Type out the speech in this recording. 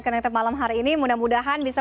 connected malam hari ini mudah mudahan bisa